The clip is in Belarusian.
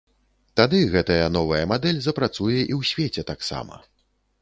Тады гэтая новая мадэль запрацуе і ў свеце таксама.